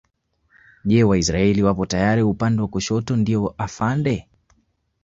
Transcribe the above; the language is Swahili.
Je Waisraeli wapo tayari upande wa kushoto ndio afande